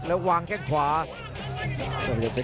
พันชัยด้านส่วนด้วยข่าวขวาทันทีเหมือนกันครับ